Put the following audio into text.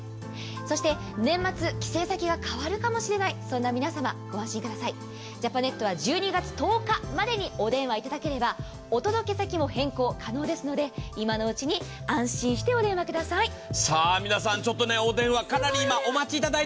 そして年末、帰省先が変わるかもしれない皆様、ご安心ください、ジャパネットは１２月１０日までにお電話いただければお届け先も変更可能ですので今のうちに安心してお電話ください。